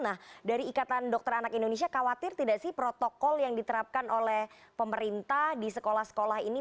nah dari ikatan dokter anak indonesia khawatir tidak sih protokol yang diterapkan oleh pemerintah di sekolah sekolah ini